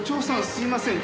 すいません